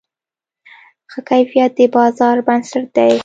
ښه کیفیت د بازار بنسټ دی.